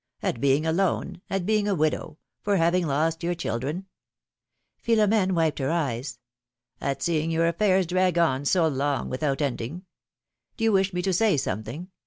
At being alone, at being a widow, for having lost your children — Philom^ne wiped her eyes. ^^At seeing your affairs drag on so long without ending — Do you wish rne to say something?